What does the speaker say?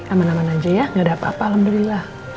aman aman aja ya gak ada apa apa alhamdulillah